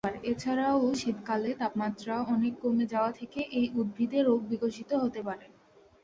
এছাড়াও শীতকালে তাপমাত্রা অনেক কমে যাওয়া থেকে এই উদ্ভিদে রোগ বিকশিত হতে পারে।